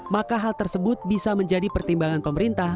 maka hal tersebut bisa menjadi pertimbangan pemerintah